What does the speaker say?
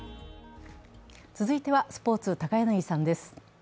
続いてはスポーツ、高柳さんです